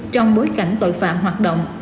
trong bối cảnh tội phạm hoạt động